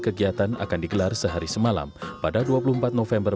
pesta adat akan digelar pada dua puluh empat dan dua puluh lima november